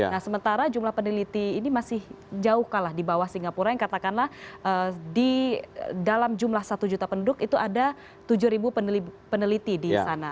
nah sementara jumlah peneliti ini masih jauh kalah di bawah singapura yang katakanlah di dalam jumlah satu juta penduduk itu ada tujuh peneliti di sana